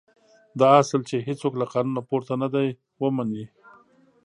دا اصل چې هېڅوک له قانونه پورته نه دی ومني.